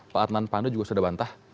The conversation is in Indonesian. pak adnan pando juga sudah bantah